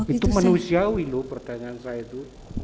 itu manusiawi loh pertanyaan saya itu